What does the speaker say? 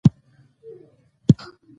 • وفادار ملګری تا هېڅکله نه هېروي.